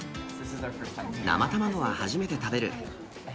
生卵は初めて食べる。